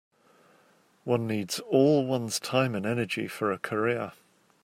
One needs all one's time and energy for a career.